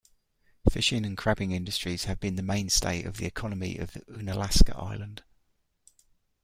Fishing and crabbing industries have been the mainstay of the economy of Unalaska island.